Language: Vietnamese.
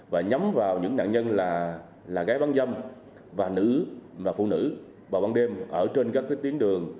và nhắm vào những nạn nhân là gái bán dâm và nữ và phụ nữ vào ban đêm ở trên các tuyến đường